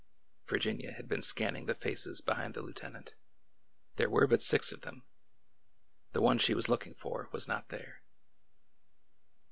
Virginia had been scanning the faces behind the lieu tenant. There were but six of them. The one she was looking for was not there.